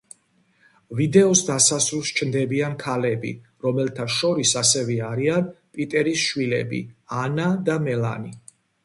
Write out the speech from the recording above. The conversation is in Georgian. ვიდეოს დასასრულს ჩნდებიან ქალები, რომელთა შორის ასევე არიან პიტერის შვილები, ანა და მელანი.